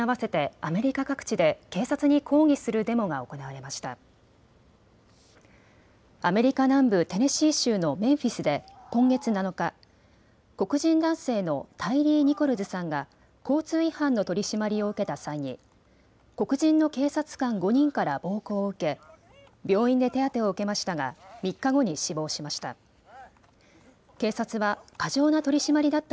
アメリカ南部テネシー州のメンフィスで今月７日、黒人男性のタイリー・ニコルズさんが交通違反の取締りを受けた際に黒人の警察官５人から暴行を受け病院で手当てを受けましたが３日後に死亡しました。